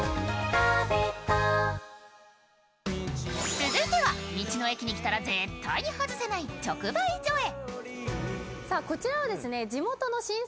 続いては道の駅に来たら絶対に外せない直売所へ。